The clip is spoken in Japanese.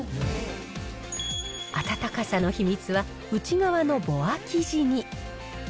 暖かさの秘密は、内側のボア生地に。